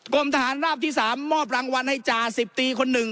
กรมทหารราบที่๓มอบรางวัลให้จ่าสิบตีคนหนึ่ง